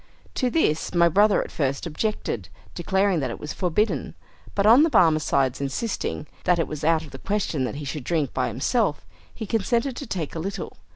To this my brother at first objected, declaring that it was forbidden; but on the Barmecide insisting that it was out of the question that he should drink by himself, he consented to take a little.